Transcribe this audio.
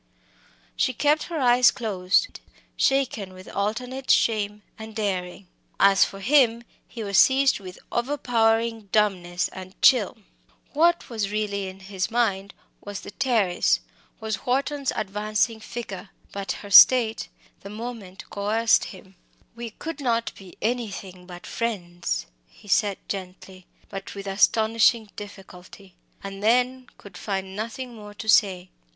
She kept her eyes closed, shaken with alternate shame and daring. As for him, he was seized with overpowering dumbness and chill. What was really in his mind was the Terrace was Wharton's advancing figure. But her state the moment coerced him. "We could not be anything but friends," he said gently, but with astonishing difficulty; and then could find nothing more to say.